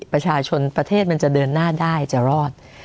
ประชาชนประเทศมันจะเดินหน้าได้จะรอด